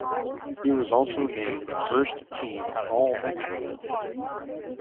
He was also named First Team All-Metro.